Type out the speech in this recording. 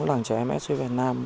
làng trẻ em sos việt nam